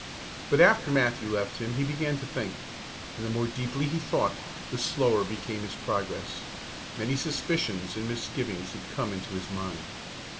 But after Matthew left him he began to think; and the more deeply he thought, the slower became his progress. Many suspicions and misgivings had come into his mind.